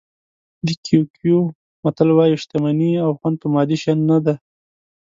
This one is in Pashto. د کیکویو متل وایي شتمني او خوند په مادي شیانو نه دي.